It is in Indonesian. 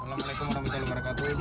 assalamualaikum wr wb